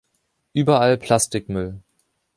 Überall Plastikmüll.